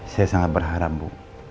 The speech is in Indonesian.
saya sangat berharap bu